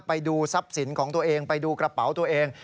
ไปดูทรัพย์สินของตัวเองไปดูกระเป๋าตัวเอง